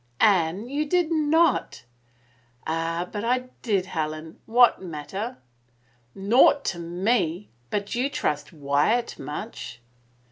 " Anne, you did noil" "Ah, but I did, Helen. What matter?" " Naught to me ... but you trust Wyatt much."